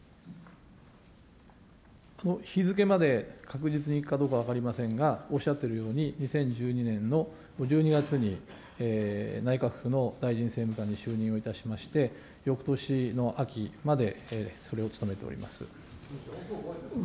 日付まで確実にかどうかは分かりませんが、おっしゃってるように、２０１２年の１２月に内閣府の大臣政務官に就任をいたしまして、よくとしの秋までそれを務めております。